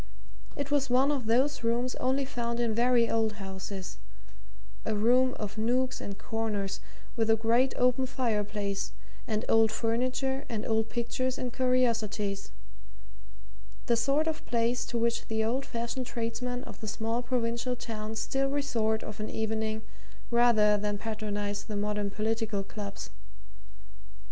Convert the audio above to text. It was one of those rooms only found in very old houses a room of nooks and corners, with a great open fireplace, and old furniture and old pictures and curiosities the sort of place to which the old fashioned tradesmen of the small provincial towns still resort of an evening rather than patronize the modern political clubs.